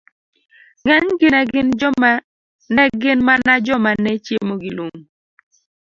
ng'enygi ne gin mana joma ne chiemo gi lum.